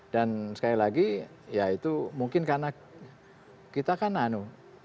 dan sekali lagi ya itu mungkin karena kita kan anu